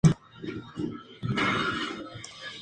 El sabor es fuerte.